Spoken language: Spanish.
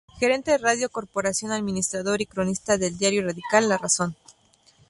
Gerente de Radio Corporación; administrador y cronista del diario radical "La Razón".